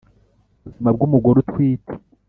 buzima bw umugore utwite